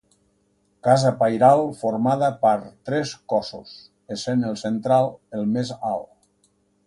Casa pairal formada per tres cossos, essent el central el més alt.